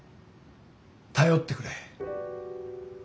頼ってくれ。